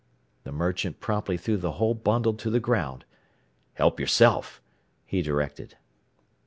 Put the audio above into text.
The merchant promptly threw the whole bundle to the ground. "Help yourself," he directed.